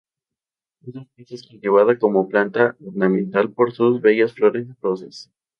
Esta especie es cultivada como planta ornamental por sus bellas flores rosas.